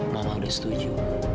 mama udah setuju